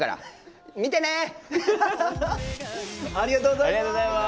ありがとうございます。